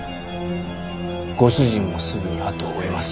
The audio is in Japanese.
ご主人もすぐにあとを追います。